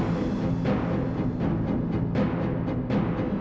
pijat fianca arriaitu dekan mu ke wall cintas